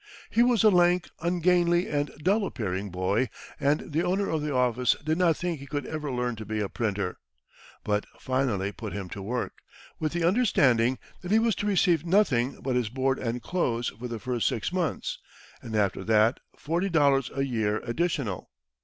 He was a lank, ungainly and dull appearing boy, and the owner of the office did not think he could ever learn to be a printer, but finally put him to work, with the understanding that he was to receive nothing but his board and clothes for the first six months, and after that forty dollars a year additional.